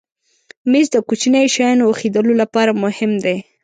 مېز د کوچنیو شیانو ایښودلو لپاره مهم دی.